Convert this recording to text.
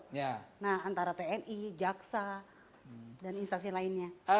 nah antara tni jaxa dan instansi lainnya